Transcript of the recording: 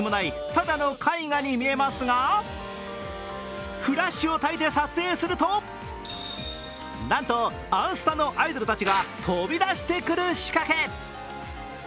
ただの絵画に見えますがフラッシュをたいて撮影すると、なんと、「あんスタ」のアイドルたちが飛び出してくる仕掛け。